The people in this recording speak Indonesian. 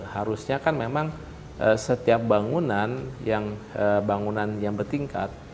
harusnya kan memang setiap bangunan bangunan yang bertingkat